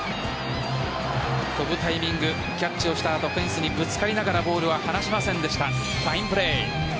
飛ぶタイミングキャッチをした後フェンスにぶつかりながらボールは離しませんでしたファインプレー。